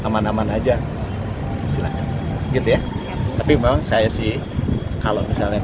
memang saya sih kalau misalnya